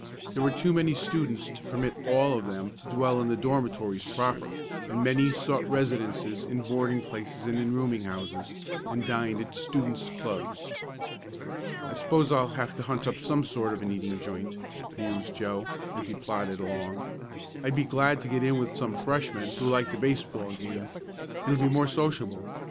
There were too many students to permit all of them to dwell in the dormitories proper, and many sought residences in boarding places and in rooming houses, and dined at students' clubs. "I suppose I'll have to hunt up some sort of an eating joint," mused Joe, as he plodded along. "I'd be glad to get in with some freshmen who like the baseball game. It'll be more sociable.